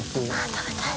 食べたい。